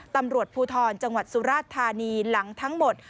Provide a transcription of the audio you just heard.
ตำรวจภูทรจังหวัดสุราชธานีหลังทั้งหมด